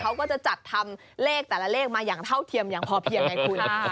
เขาก็จะจัดทำเลขแต่ละเลขมาอย่างเท่าเทียมอย่างพอเพียงไงคุณ